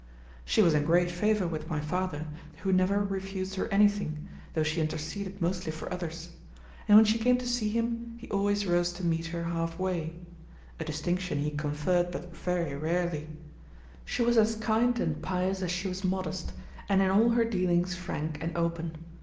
She was in great favour with my father, who never refused her anything, though she interceded mostly for others; and when she came to see him, he always rose to meet her half way a distinction he conferred but very rarely. She was as kind and pious as she was modest, and in all her dealings frank and open.